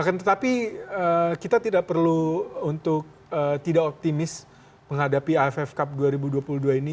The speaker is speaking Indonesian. akan tetapi kita tidak perlu untuk tidak optimis menghadapi aff cup dua ribu dua puluh dua ini